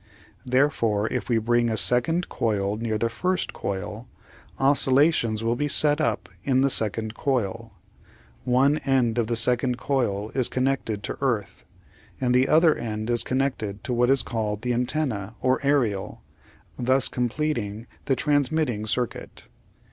Therefore, if we bring a second coil near to the first coil, oscillations will be set up in the second coil. One end of the second coil is connected to earth, and the other end is connected to what is called the antenna or aerial, thus completing the transmitting circuit.